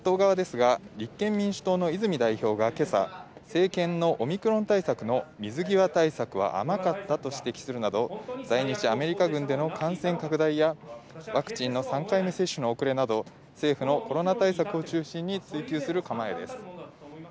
対する野党側ですが、立憲民主党の泉代表が今朝、政権のオミクロン株の水際対策は甘かったと指摘するなど、来日アメリカ軍での感染拡大やワクチンの３回目接種の遅れなど、政府のコロナ対策を中心に追及する構えです。